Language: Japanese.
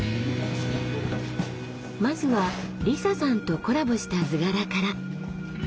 まずはりささんとコラボした図柄から。